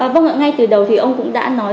vâng ạ ngay từ đầu thì ông cũng đã nói